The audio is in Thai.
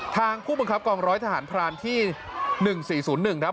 ผู้บังคับกองร้อยทหารพรานที่๑๔๐๑ครับ